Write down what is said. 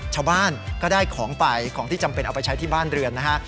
ชาวบ้านก็ได้ของไปของที่จำเป็นเอาไปใช้ที่บ้านเรือนนะฮะ